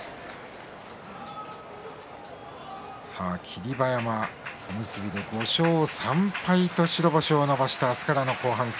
霧馬山、小結で５勝３敗と白星を伸ばして明日からの後半戦。